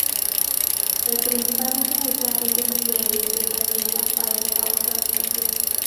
El principal uso es la síntesis del butadieno para el caucho artificial.